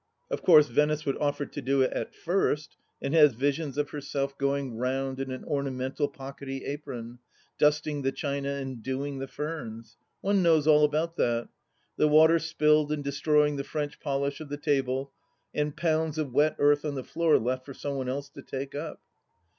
Of course Venice would offer to do it at first, and has visions of herself going round in an ornamental pockety apron, dusting the china and " doing " the ferns. One knows all about that ! The water spilled, and destroying the french polish of the tables, and pounds of wet earth on the floor left for some one else to take up.